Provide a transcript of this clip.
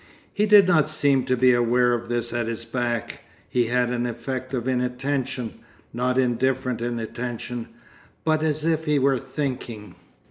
He did not seem to be aware of this at his back, he had an effect of inattention, not indifferent attention, but as if he were thinking....